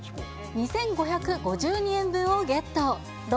２５５２円分をゲット。